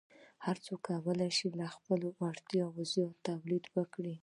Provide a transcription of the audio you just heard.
هر چا کولی شو له خپلې اړتیا زیات تولید وکړي.